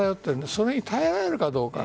それに耐えられるかどうか。